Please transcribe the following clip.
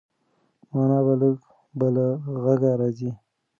مانا به له غږه راځي.